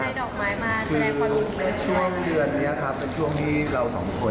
คือช่วงเดือนนี้ครับเป็นช่วงที่เราสองคน